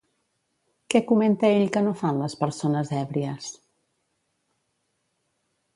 Què comenta ell que no fan les persones èbries?